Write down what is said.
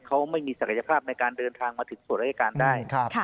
เขาไม่มีศักยภาพในการเดินทางมาถึงส่วนราชการได้